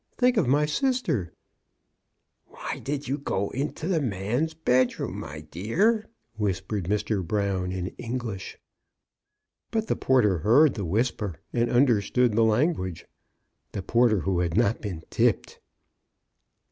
Think of my sister !" ''Why did you go into the man's bedroom, my dear? " whispered Mr. Brown in English. But the porter heard the whisper, and under stood the language — the porter who had not been "tipped."